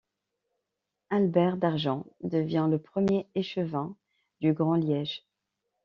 Albert Dargent devient le premier échevin du Grand Liège.